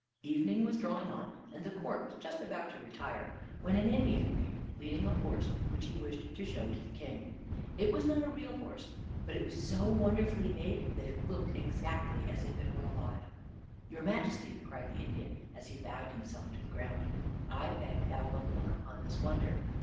Evening was drawing on and the court was just about to retire, when an Indian appeared, leading a horse which he wished to show to the King. It was not a real horse, but it was so wonderfully made that it looked exactly as if it were alive. "Your Majesty," cried the Indian, as he bowed himself to the ground, "I beg thou wilt look upon this wonder.